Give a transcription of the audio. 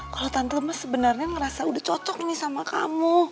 kalau tante emang sebenarnya udah merasa cocok nih sama kamu